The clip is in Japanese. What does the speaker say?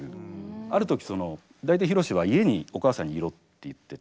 ある時その大体博は家にお母さんにいろって言ってて。